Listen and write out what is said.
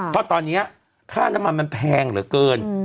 เพราะตอนนี้ค่าน้ำมันมันแพงเหลือเกิน